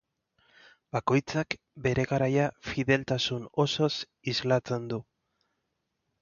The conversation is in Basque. Bakoitzak bere garaia fideltasun osoz islatzen du.